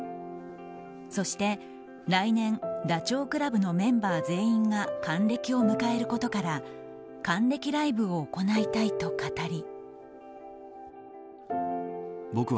そして来年、ダチョウ倶楽部のメンバー全員が還暦を迎えることから還暦ライブを行いたいと語り。